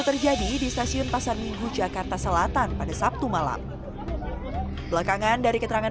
terjadi di stasiun pasar minggu jakarta selatan pada sabtu malam belakangan dari keterangan